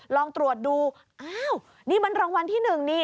ลองตรวจดูอ้าวนี่มันรางวัลที่๑นี่